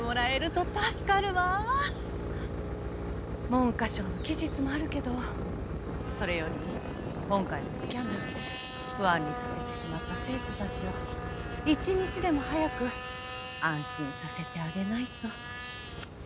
文科省の期日もあるけどそれより今回のスキャンダルで不安にさせてしまった生徒たちを一日でも早く安心させてあげないと。